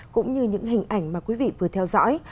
cũng như những hình ảnh mà quý vị vừa theo dõi